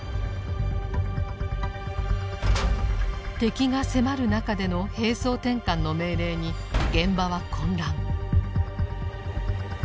敵が迫る中での「兵装転換」の命令に現場は混乱。